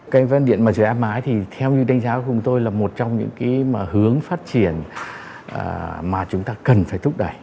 cây văn điện mặt trời áp máy thì theo như đánh giá của tôi là một trong những hướng phát triển mà chúng ta cần phải thúc đẩy